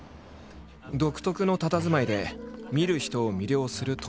独特のたたずまいで見る人を魅了する冨永。